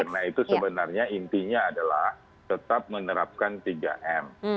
karena itu sebenarnya intinya adalah tetap menerapkan tiga m